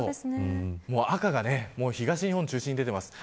赤が東日本を中心に出ています。